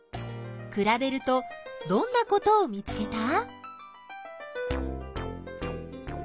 くらべるとどんなことを見つけた？